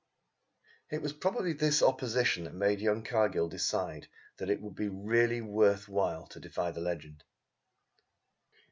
It was probably this opposition that made young Cargill decide that it would be really worth while to defy the legend.